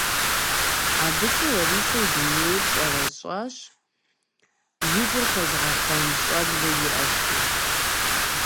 Абыкӏи Ларисэ и дунейр щӏэращӏэщ – и гур хэзыгъэхъуэн щӏэблэ иӏэщи.